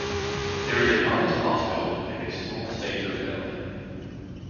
There is a modest hospital and a small state hotel.